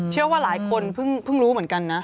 เชื่อว่าหลายคนเพิ่งรู้เหมือนกันนะ